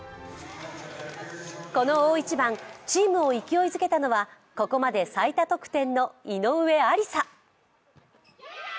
この大一番、チームを勢いづけたのはここまで最多得点の井上愛里沙。